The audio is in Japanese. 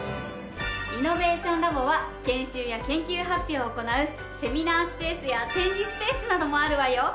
イノベーションラボは研修や研究発表を行うセミナースペースや展示スペースなどもあるわよ！